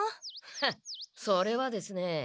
フッそれはですね